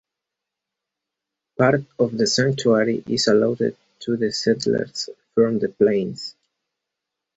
Part of the sanctuary is allotted to the settlers from the plains.